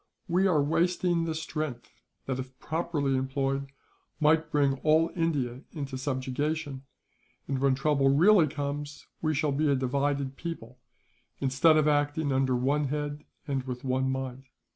We are wasting the strength that, if properly employed, might bring all India into subjection and, when trouble really comes, we shall be a divided people, instead of acting under one head and with one mind.